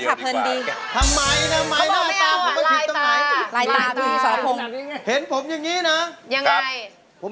เขาเลือกค่ะ